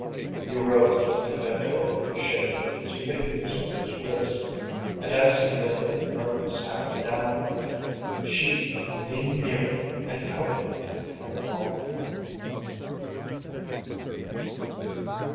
He rose and bent over the Sheik with his fingers on his wrist, and as he laid the nerveless hand down again she leaned nearer and covered it with her own.